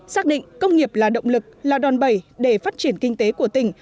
xác định công nghiệp là động lực là đòn bẩy để phát triển kinh tế của tỉnh